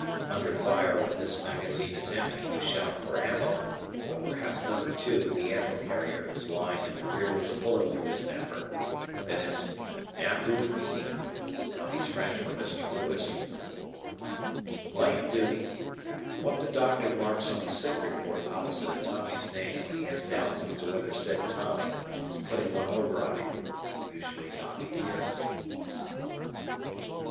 Under fire when this magazine is emptied you shout for "ammo" but perhaps No. 2, the ammo carrier, is lying in the rear with a bullet through his napper. Then it's "napoo fini" (Tommy's French) for Mr. Lewis. "Light Duty." What the doctor marks on the sick report opposite a Tommy's name when he has doubts as to whether said Tommy is putting one over on him. Usually Tommy is.